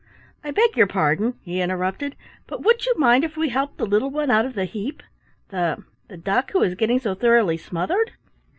"I beg your pardon," he interrupted, "but would you mind if we helped the little one out of the heap, the the duck who is getting so thoroughly smothered?"